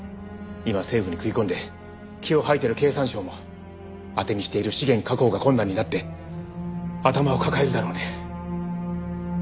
今政府に食い込んで気を吐いてる経産省も当てにしている資源確保が困難になって頭を抱えるだろうね。